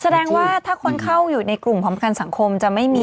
แสดงว่าถ้าคนเข้าอยู่ในกลุ่มพร้อมประกันสังคมจะไม่มี